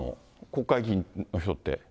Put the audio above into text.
国会議員の人って。